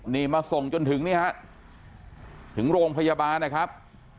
นี่มาส่งจนถึงนี่ฮะถึงโรงพยาบาลนะครับ